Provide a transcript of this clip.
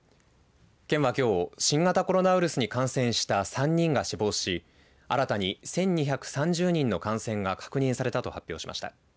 県は、きょう新型コロナウイルスに感染した３人が死亡し新たに１２３０人の感染が確認されたと発表しました。